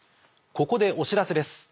ここでお知らせです。